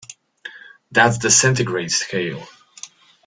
That's the centigrade scale.